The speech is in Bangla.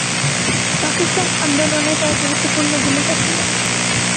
পাকিস্তান আন্দোলনে তাঁর গুরুত্বপূর্ণ ভূমিকা ছিল।